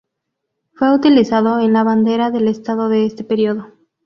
Fue utilizado en la bandera del Estado de este periodo.